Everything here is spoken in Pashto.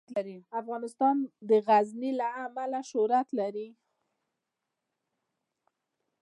افغانستان د غزني له امله شهرت لري.